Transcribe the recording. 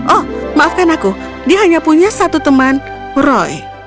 oh maafkan aku dia hanya punya satu teman roy